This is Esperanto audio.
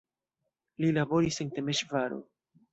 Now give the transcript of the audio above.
Li laboris en Temeŝvaro.